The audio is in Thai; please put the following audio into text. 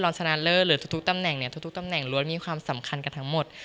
ชนะเลิศหรือทุกตำแหน่งเนี่ยทุกตำแหน่งล้วนมีความสำคัญกันทั้งหมด